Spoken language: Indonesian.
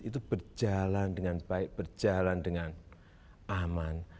itu berjalan dengan baik berjalan dengan aman